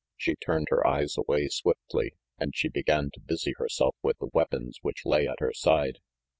She turned her eyes away swiftly, and she began to busy herself with the weapons which lay at her side.